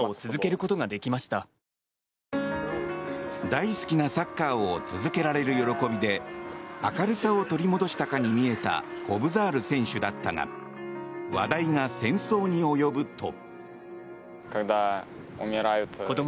大好きなサッカーを続けられる喜びで明るさを取り戻したかに見えたコブザール選手だったが話題が戦争に及ぶと。